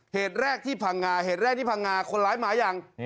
เหตุแรกที่พังงาเหตุแรกที่พังงาคนร้ายมายัง